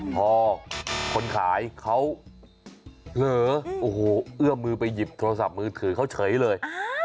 พอคนขายเขาเผลอโอ้โหเอื้อมมือไปหยิบโทรศัพท์มือถือเขาเฉยเลย